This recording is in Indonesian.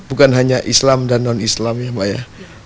bukan hanya islam dan non islam ya mbak ya